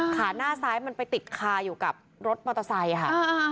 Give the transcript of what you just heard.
ขาหน้าซ้ายมันไปติดคาอยู่กับรถมอเตอร์ไซค์ค่ะ